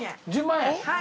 １０万円。